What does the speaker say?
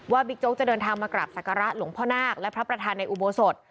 บิ๊กโจ๊กจะเดินทางมากราบศักระหลวงพ่อนาคและพระประธานในอุโบสถ